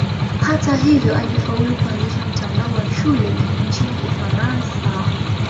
Hata hivyo alifaulu kuanzisha mtandao wa shule nchini Ufaransa.